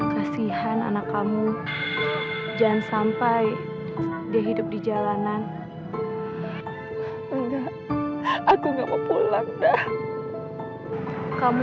kasihan anak kamu jangan sampai dia hidup di jalanan enggak aku nggak mau pulang dah kamu